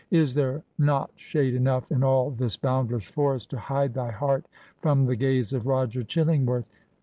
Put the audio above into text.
... Is there not shade enough in all this boundless forest to hide thy heart from the gaze of Roger Chillingworth?'